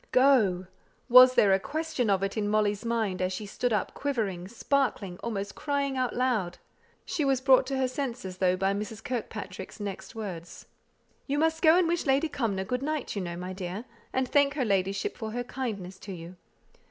Go! was there a question of it in Molly's mind, as she stood up quivering, sparkling, almost crying out loud. She was brought to her senses, though, by Mrs. Kirkpatrick's next words. "You must go and wish Lady Cumnor good night, you know, my dear, and thank her ladyship for her kindness to you.